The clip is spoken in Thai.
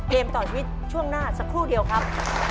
เกมต่อชีวิตช่วงหน้าสักครู่เดียวครับ